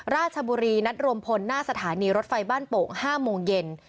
ราชบุรีนัดรวมพลหน้าสถานีรถไฟบ้านโป่ง๕โมงเย็น